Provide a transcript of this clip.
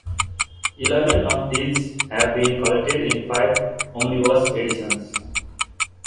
Eleven of these have been collected in five omnibus editions.